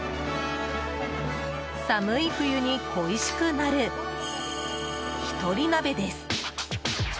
寒い冬に恋しくなる、一人鍋です。